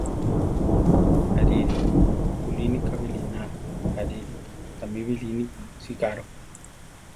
Arirí! kulínika biʼliná! arirí ! Támi biʼlíni sicaro!